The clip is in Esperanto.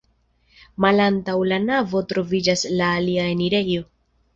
Malantaŭ la navo troviĝas la alia enirejo.